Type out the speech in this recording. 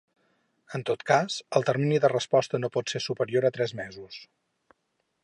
En tot cas, el termini de resposta no pot ser superior a tres mesos.